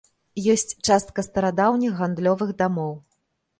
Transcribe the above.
Ёсць частка старадаўніх гандлёвых дамоў.